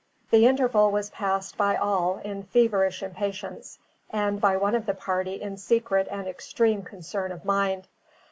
The interval was passed by all in feverish impatience, and by one of the party in secret and extreme concern of mind.